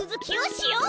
しよう！